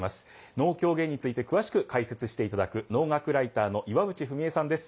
能狂言について詳しく解説していただく能楽ライターの岩淵文恵さんです。